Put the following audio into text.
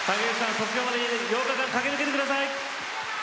卒業まで８日間駆け抜けてください！